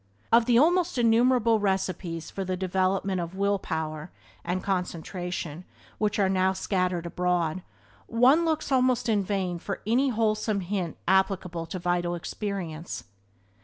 Of the almost innumerable recipes for the development of "will power" and "concentration" which are now scattered abroad, one looks almost in vain for any wholesome hint applicable to vital experience.